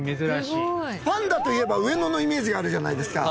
パンダといえば上野のイメージがあるじゃないですか。